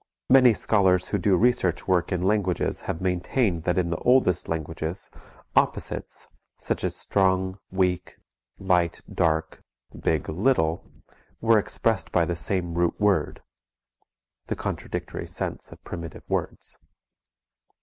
Many scholars who do research work in languages have maintained that in the oldest languages opposites such as strong, weak; light, dark; big, little were expressed by the same root word. (_The Contradictory Sense of Primitive Words.